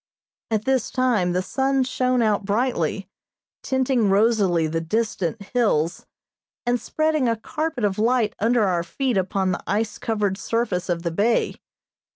At this time the sun shone out brightly, tinting rosily the distant hills, and spreading a carpet of light under our feet upon the ice covered surface of the bay.